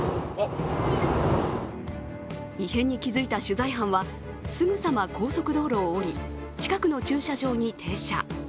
異変に気づいた取材班は、すぐさま高速道路を降り、近くの駐車場に停車。